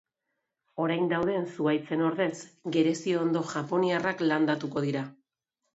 Orain dauden zuhaitzen ordez gereziondo japoniarrak landatuko dira.